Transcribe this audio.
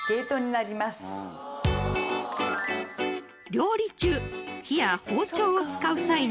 ［料理中火や包丁を使う際に